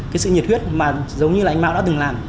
cái sự nhiệt huyết mà giống như là anh mão đã từng làm